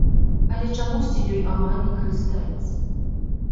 Але чамусьці ёй амаль не карыстаецца.